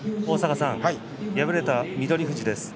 敗れた翠富士です。